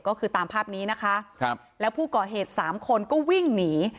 ก็คือตามภาพนี้นะคะครับแล้วผู้ก่อเหตุสามคนก็วิ่งหนี